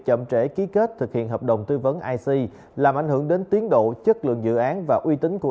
chậm trễ ký kết thực hiện hợp đồng tư vấn ic làm ảnh hưởng đến tiến độ chất lượng dự án và uy tín của